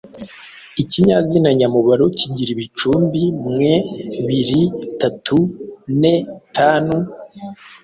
Ikinyazina nyamubaro kigira ibicumbi: -mwe, -biri, -tatu, -ne, -tanu,